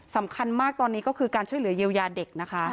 สำคัญมากตอนนี้ก็คือการช่วยเหลือเยียวยาเด็กนะคะ